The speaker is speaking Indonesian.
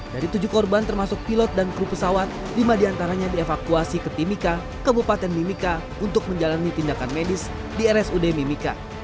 dari tujuh korban termasuk pilot dan kru pesawat lima diantaranya dievakuasi ke timika kabupaten mimika untuk menjalani tindakan medis di rsud mimika